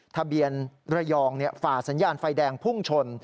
ทะเบียนระยองฝ่าสัญญาณไฟแดงพุ่งชน